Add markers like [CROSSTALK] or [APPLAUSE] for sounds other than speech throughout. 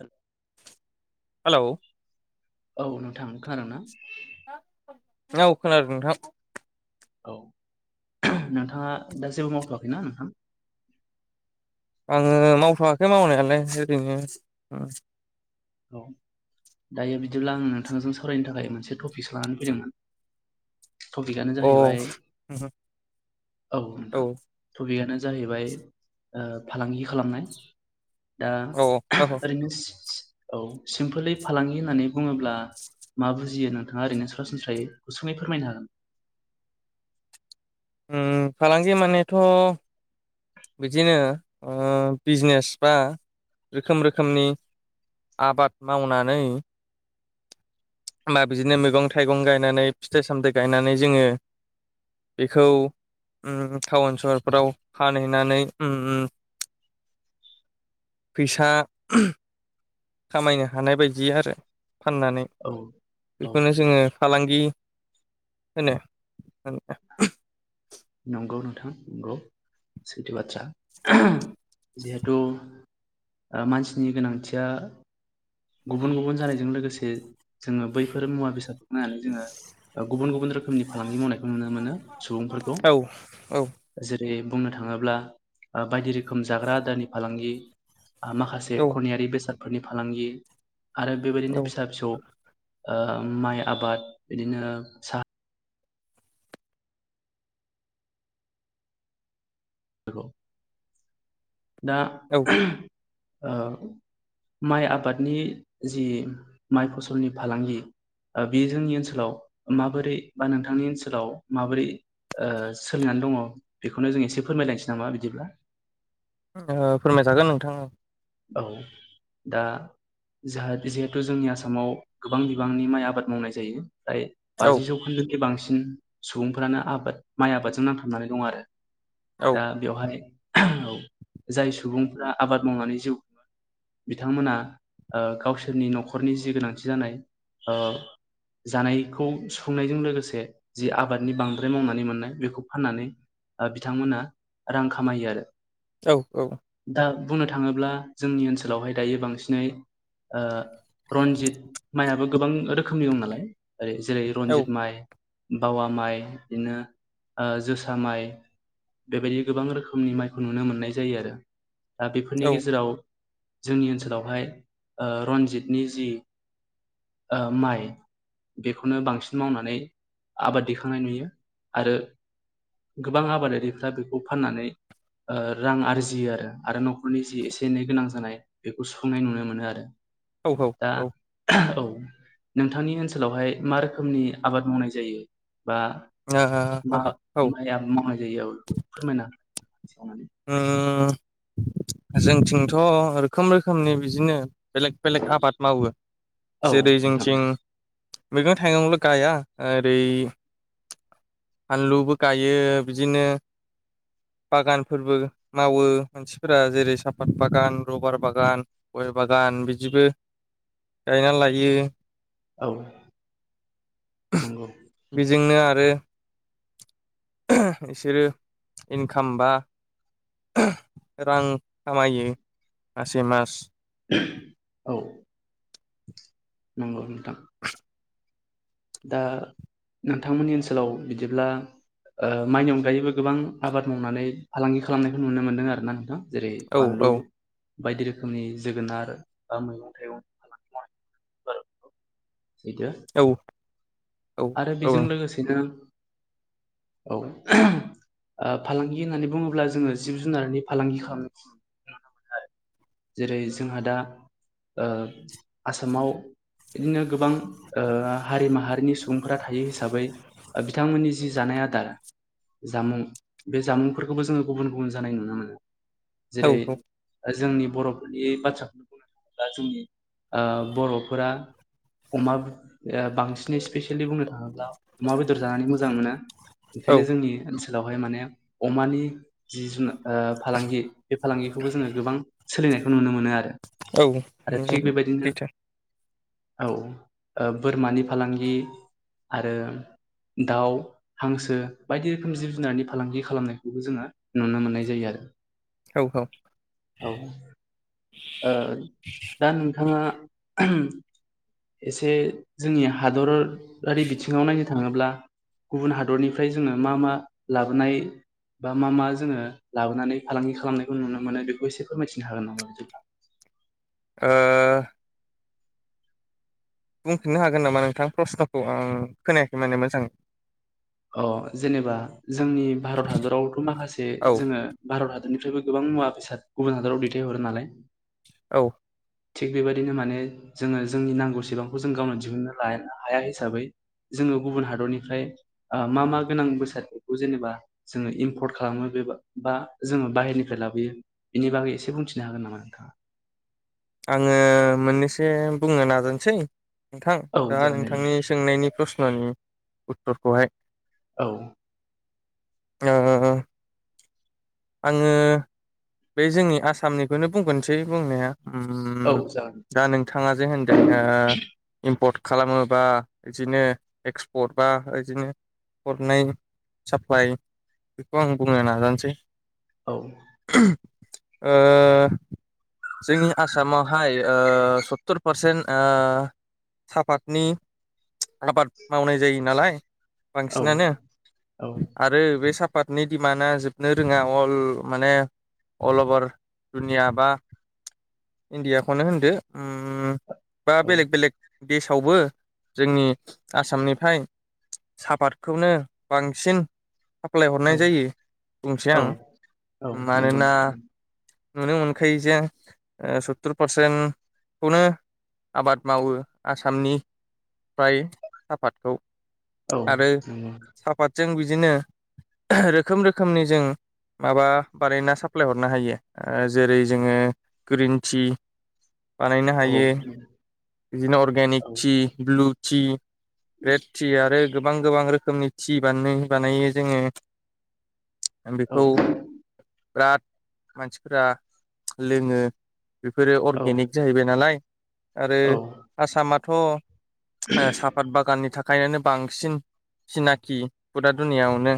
हे hello. औ नोंथां खोनादों ना? औ खोनादो नोंथां। औ नोंथाङा दा जेबो मावथ'वाखैना नोंथां? आङो मावथ'आखै मावनायालाय ओरैनो ओ औ। दायो बिदिब्ला आं नोंथांजों सावरायनो थाखाय मोनसे टपिकसो लानानै फैदोंमोन। टपिकआनो औ जाहैबाय औ। पिकानो जाहैबाय फालांगि खालामनाय। दा औ औ औ ओरैनो औ सिमपोलै फालांगि होननानै बुङोब्ला मा बुजियो नोंथाङा ओरैनो सरासनस्रायै गुसुङै फोरमायनो हागोन। उम फालांगि मानेथ' बिदिनो ओ बिजनेस बा रोखोम रोखोमनि आबाद मावनानै मा बिदिनो मैगं थाइगं गायनानै फिथाइ सामथाइ गायनानै जोङो बेखौ उम टाउन सहरफोराव फानहैनानै उम फैसा खामायनो हानाय बायदि आरो। फाननानै औ औ बेखौनो जोङो फालांगि होनो आंनिबा। नंगौ नोंथां नंगौ ओ मानसिनि गोनांथिया गुबुन गुबुन जानायजों लोगोसे जोङो बैफोर मुवा बेसादखौ नायनानै जोङो ओ गुबुन गुबुन रोखोमनि फालांगि मावनायखौ नुनो मोनो सुबुंफोरखौ औ औ जे रै बुंनो थाङोब्ला ओ बायदि रोखोम जाग्रा आदारनि फालांगि, आ माखासे औ खनियारि बेसादफोरनि फालांगि, आरो बेबायदिनो औ फिसा फिसौ ओ माइ आबाद बिदिनो सा बेखौ दा औ ओ ओ माइ आबादनि जि माइ फसलनि फालांगि ओ बेयो जोंनि ओनसोलाव माबोरै बा नोंथांनि ओनसोलाव माबोरै ओ सोलिनानै दङ बेखौनो जों एसे फोरमायलायनोसै नामा बिदिब्ला? ओ फोरमायजागोन नोंथां औ। औ दा जाहा जिहेथु जोंनि आसामाव गोबां बिबांनि माइ आबाद मावनाय जायो। जायो औ बाजि जौखोन्दोखि बांसिन बांसिन सुबुंफोरानो आबाद माइ आबादजों नांथाबनानै दं आरो औ दा बेवहाय औ जाय सुबुंफोरा आबाद मावनानै जिउखुङो बिथांमोना ओ गावसोरनि न'खरनि जि गोनांथि जानाय ओ जानायखौ सुुफुंनायजों लोगोसे जि आबादनि बांद्राय मावनानै मोननाय बेखौ फाननानै बिथांमोना रां खामायो आरो। औ औ। दा बुंनो थाङोब्ला जोंनि ओनसोलावहाय दायो बांसिनै ओ रन्जित माइआबो गोबां रोखोमनि दं नालाय रै जेरै औ रनजित माइ। बावा माइ बिदिनो ओ जोसा माइ। बेबायदि गोबां रोखोमनि माइखौ नुनो मोननाय जायो आरो दा बेफोरनि गेजेराव जोंनि ओनसोलावहाय ओ रन्जितनि जि ओ माइ। बेखौनो बांसिन मावनानै आबाद दिखांनाय नुयो आरो गोबां आबादारिफ्राय बेखौ फान्नानै ओ रां आरजियो आरो आरो नखरनि जि एसे एनै गोनां जा जानाय बेखौ सुफुंनाय नुनो मोनो आरो औ दा औ। नोंथांनि ओनसोलावहाय मा रोखोमनि आबाद मावनाय जायो? बा औ मा औ माइ मावनाय जायो आरो बेखौ फोरमायना ओ जोंथिंथ' रोखोम रोखोमनि बिदिनो बेलेग बेलेग आबाद मावो औ जेरै नोंथां जोंथिं मैगं थाइगंल' गाया ओरै फानलुबो गायो बिदिनो बागानफोरबो मावो मानसि फोरा जेरै साफात बागान रबार बागान गय बागान बिदिबो गायना लायो। औ नंगौ बेजोंनो आरो बिसोरो इनकाम बा रां खामायो मासे मास औ। नंगौ नोंथां। दा नोंथांमोननि ओनसोलाव बिदिब्ला ओ माइनि अनगायैबो गोबां आबाद मावनानै फालांगि खालामनायखौ नुनो मोनदों आर ना नोंथां। जेरै औ औ बानलु बायदि रोखोमनि जोगोनार बा मैगं थाइगं [UNINTELLIGIBLE] [UNINTELLIGIBLE] औ औ आरो औ बेजों लोगोसेनो औ। ओ फालांगि होननानै बुङोब्ला जोङो जिब जुनारनि फालांगि खालामनाय नुनो मोनो आरो। जेरै जोंहा दा ओ आसामाव बिदिनो गोबां ओ हारि माहारिनि सुबुं फोरा थायो हिसाबै बिथांमोननि जि जानाय आदार जामुं बे जामुंफोरखौबो जोङो गुबुन गुबुन जानाय नुनो मोनो। औ जेरै जोंनि बर'फोरनि बाथ्राखौनो बुंनो थाङोब्ला जोंनि ओ बर'फोरा अमा बांसिनै स्पेसि बुंनो थाङोब्ला अमा बेदर जानानै मोजां मोनो बेंखायनो जोंनि ओ ओनसोलावहाय माने अमानि जि जुन फालांगि बे फालांगिखौबो जोङो गोबां सोलिनायखौ नुनो मोनो आरो आरो थिग बेबायदिनो सैथो औ ओ बोरमानि फालांगि आरो दाउ हांसो बायदि रोखोम जिब जुनारनि फालांगि खालामनायखौबो जोङो नुनो मोननाय जायो आरो। औ औ। औ। ओ दा नोंथाङा एसे जोंनि हादरारि बिथिङाव नायनो थाङोब्ला गुबुन हादरनिफ्राय जोङो मा मा लाबोनाय बा मा मा जोङो लाबोनानै फालांगि खालामनायखौ नुनो मोनो बे खौ एसे फोर मिथिनो हागोन नामा बिदिब्ला? ओ बुंफिननो हागोन नामा नोंथां प्रस्न'खौ आं खोनायाखै माने मोजाङै। अ जेनेबा जोंनि भारत हादरावथ' माखासे औ जोङो भारत हा दरनिफ्रायबो गोबां मुवा बेसाद गुबुन हादराव दैथायहरो नालाय? औ। थिग बेबायदिनो माने जोङो जोंनि नांगौसेबांखौ जों गावनो दिहुननो लानो हाया हिसाबै जोङो गुबुन हादरनिफ्राय ओ मा मा गोनां बेसादफोरखौ जेनेबा जोङो इम्पर्ट खालामो बे बा जोङो बाहेरनिफ्राय ला बोयो बिनि बागै एसे बुंथिनो हागोन नामा नोंथाङा? आङो मोननैसो बुंनो नाजानोसै नोंथां। औ दा जागोन दे नोंथांनि नोंथां। सोंनायनि प्रस्न'नि उत्तरखौहाय। औ। ओ आङो बे जोंनि आसामनिखौनो बुंग्रोनोसै बुंनाया। उम औ जागोन दा नोंथाङा जे होनदों ओ इम्पर्ट खालामोबा बिदिनो एक्सपर्ट बा बिदिनो हरनाय साप्लाय बेखौ आं बुंनो नाजानोसै। औ। ओ जोंनि आसामावहाय ओ सत्तुर पारसेन्ट ओ साफातनि आबाद मावनाय जायो नालाय औ बांसिनानो? औ आरो बे सापातनि दिडिमान्डआ जोबनो रोङा अल माने अल अभार दुनिया बा इण्डियाखौनो होनदो उम बा औ बेलेग बेलेग देसावबो जोंनि आसामनिफ्राय सापातखौनो बांसिन साप्लाय औ हरनाय जायो बुंसै औ आं। औ नंगौ मानोना नोंथां उम। नुनो मोनखायो जे ओ सत्तुर पारसेन्टखौनो आबाद मावो आसामनि फ्राय सापातखौ। औ आरो नंगौ सापातजों बिदिनो रोखोम रोखोमनि जों माबा बानायना साप्लाय हरनो हायो। ओ जेरै जोङो ग्रिन टि बानायनो औ हायो बिदिनो अर्गेनिक औ tea, blue tea, red tea आरो गोबां गोबां रोखोमनि थि बानै बानायो जोङो। औ। बेखौ बिराद मानसिफोरा लोङो। बेफोरो औ अर्गेनिक जाहैबाय नालाय? आरो औ आसामाथ' ओ साफात बागाननि था खायनानो बांसिन सिनाखि फुरा दुनियावनो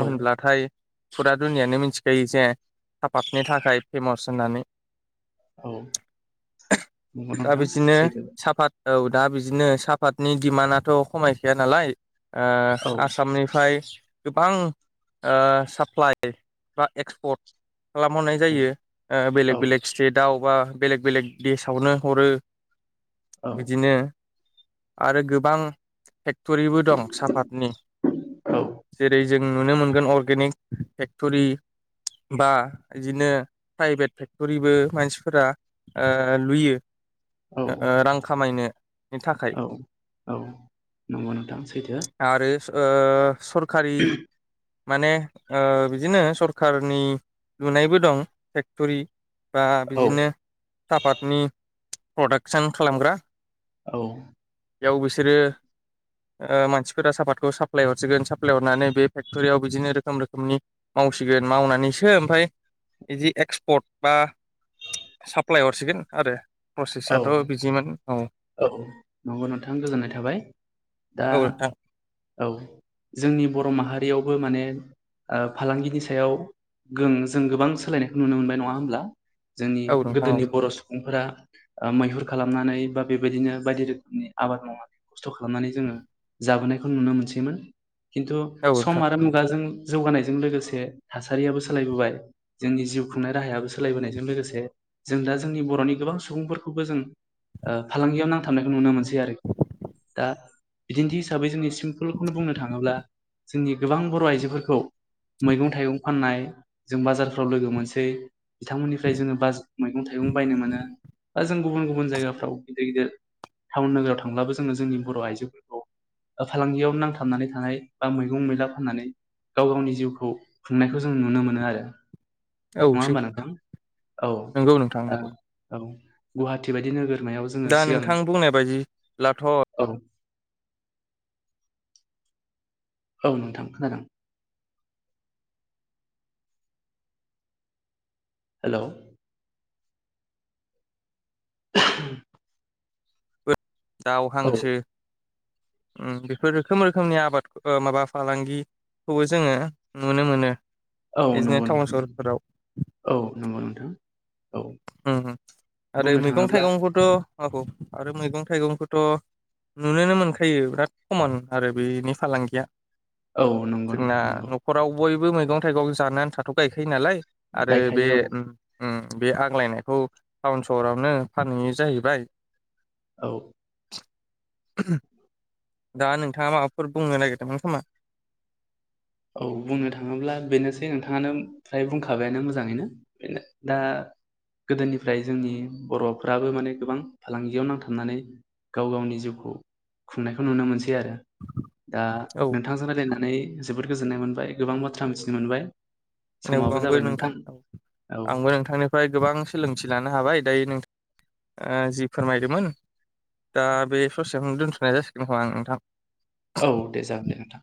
औ होनब्लाथाय फुरा दुनियानो मिथिखायो जे सापातनि थाखाय फेमास होननानै। औ नंगौ दा नोंथां बिदिनो सैथो। सापात औ दा बिदिनो सापातनि दिडिमान्डआथ' खमायखाया नालाय? ओ औ आसामनिफ्राय गोबां ओ साप्लाइ बा एक्सपर्ट खालामहरनाय औ जायो ओ बेलेग औ बेलेग स्टेटाव बा बेलेग बेलेग देसावनो हरो औ बिदिनो आरो गोबां फेक्टरिबो दं सापातनि औ जेरै जों नुनो मोनगोन अर्गेनिक फेक्टरि बा बिदिनो प्राइभेट फेक्टरिबो मानसिफोरा ओ लुयो। ओ औ ओ रां खामायनो औ औ नंगौ नोंथां सैथो। आरो ओ सरखारि माने ओ बिदिनो सरखारनि लुनायबो दं फेक्टरि बा औ बिदिनो सापातनि प्रडाक्सन खालामग्रा औ बेयाव बिसोरो ओ मानसिफोरा सापातखौ साप्लाय हरसिगोन साप्लाय हरनानै बे फेक्ट'रियाव बिदिनो रोखोम रोखोम [INAUDIBLE] मावसिगोन मावनानैसो ओमफाय बिदि एक्सपर्ट बा साप्लाय हरसिगोन आरो। औ प्रसेसआथ' बिजिमोन औ। औ नंगौ नोंथां गोजोननाय थाबाय दा औ नोंथां। औ जोंनि बर' माहारियावबो माने ओ फालांगिनि सायाव गों जों गोबां सोलायनायखौ नुनो मोनबाय नङा होमब्ला जोंनि औ नोंथां औ गोदोनि बर' सुबुंफोरा ओ मैहुर खालामनानै बा बेबायदिनो बायदि रोखोमनि आबाद माव [INAUDIBLE] खस्थ' खालामनानै जोङो जाबोनायखौ नुनो मोनसैमोन खिन्थु औ सम नोंथां आरो मुगाजों जौगानायजों लोगोसे थासारियाबो सोलायबोबाय जोंनि जिउ खुंनाय राहायाबो सोलायबोनायजों लोगोसे जों दा जोंनि बर'नि गोबां सुबुंफोरखौबो जों ओ फालांगियाव नांथाबनायखौ नुनो मोनसै आरो। दा बिदिन्थि हिसाबै जोंनि सिम्पोलखौनो बुंनो थाङोब्ला जोंनि गोबां बर' आइजोफोरखौ मैगं थाइगं फाननाय जों बाजारफ्राव लोगो मोनसै बिथांमोननिफ्राय जोङो बाज मैगं थाइगं बायनो मोनो। बा जों गुबुन गुबुन जायगाफ्राव गिदिर गिदिर टाउन नोगोराव थांब्लाबो जोङो जोंनि बर' आइजोफोरखौ फालांगियाव नांथाबनानै थानाय बा मैगं मैला फाननानै गाव गावनि जिउखौ खुंनायखौ जों नुनो मोनो आरो। औ नङा होमबा सैथो नोंथां औ नंगौ नोंथां ओं नंगौ औ गुवाहाटि बायदि नोगोर [INAUDIBLE] जोङो दा सिगां नोंथां बुंनाय बायदिब्लाथ' औ औ नोंथां खोनादों। हेलौ [INAUDIBLE] [UNINTELLIGIBLE] [INAUDIBLE] दाव औ हांसो [INAUDIBLE] उम बेफोर रोखोम रोखोमनि आबाद ओ माबा फालांगि खौबो जोङो नुनो मोनो। औ बिदिनो नंगौ टाउन नोंथां सहरफोराव औ नंगौ नोंथां औ उम उम आरो बुंनो मैगं थाङोब्ला थाइगंखौथ' [INAUDIBLE] आरो मैगं थाइगंखौथ' नुनोनो मोनखायो बिराद खमन आरो बेनि फालांगिया। औ नंगौ जोंना नोंथां नंगौ न'खराव बय बो मैगं थाइगं जानो आन्थाथ' गायखायो नालाय आरो बे गायखायो औ ओम ओम। बे आग्लायनायखौ टाउन सहरावनो फानहैयो जाहैबाय। औ [INAUDIBLE] [UNINTELLIGIBLE] दा नोंथाङा माबाफोर बुंनो नागिरदोंमोन खोमा? औ बुंनो थाङोब्ला बेनोसै नोंथाङानो फ्राय बुंखाबायानो मोजाङैनो बेनो दा गोदोनिफ्राय जोंनि बर'फ्राबो माने गोबां फालांगियाव नांथाबनानै गाव गावनि जिउखौ खुंनायखौ नुनो मोनसै दि आरो दा औ नोंथांजों रायलायनानै जोबोद गोजोननाय मोनबाय गोबां बाथ्रा मिथिनो मोनबाय औ समाबो आंबो जाबाय नोंथां औ आंबो नोंथांनिफ्राय गोबां सोलोंथि लानो हाबाय दायो नोंथां ओ जि फोरमायदोमोन दा बे ससेयावनो दोनथनाय जासिगोनखोमा नोंथां औ दे जागोन दे नोंथां